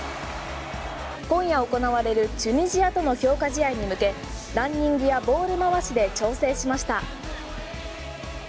今夜行われるチュニジアとの強化試合に向けランニングやボール回しで調整しました。